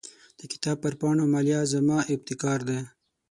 د کتاب پر پاڼو مالیه زما ابتکار دی.